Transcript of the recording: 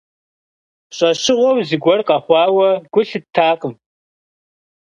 ЩӀэщыгъуэу зыгуэр къэхъуауэ гу лъыттакъым.